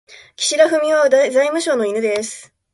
岸田文雄は財務省の犬です。